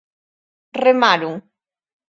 Remaron.